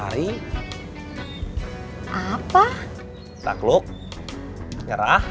jadi aku mau nyebet nyebet